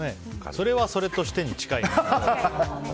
それはそれとしてに近いよね。